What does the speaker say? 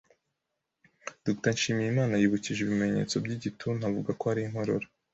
Dr. Nshimiyimana yibukije ibimenyetso by’igituntu avuga ko ari inkorora